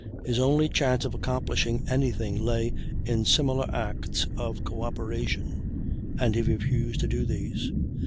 His only chance of accomplishing any thing lay in similar acts of cooperation, and he refused to do these.